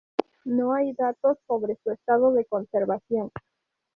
No hay datos sobre su estado de conservación.